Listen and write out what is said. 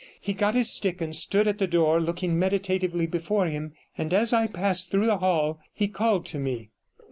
He got his stick, and stood at the door looking meditatively before him, and as I passed through the hall he called to me.